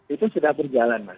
itu sudah berjalan mas